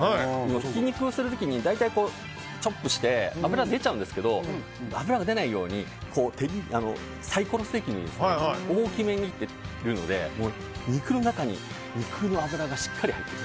ひき肉をする時に大体チョップして油が出ちゃうんですけど油が出ないようにサイコロステーキのように大きめにというので肉の中に肉の脂がしっかり入ってる。